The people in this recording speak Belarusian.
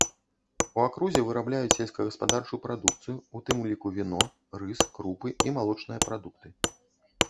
У акрузе вырабляюць сельскагаспадарчую прадукцыю, у тым ліку віно, рыс, крупы і малочныя прадукты.